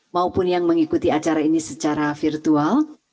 maupun yang mengikuti acara ini secara virtual